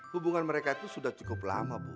hubungan mereka itu sudah cukup lama bu